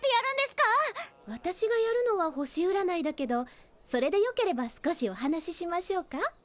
私がやるのは星うらないだけどそれでよければ少しお話ししましょうか？